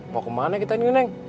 mau kemana kita ini neng